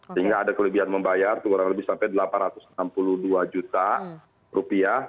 sehingga ada kelebihan membayar kurang lebih sampai delapan ratus enam puluh dua juta rupiah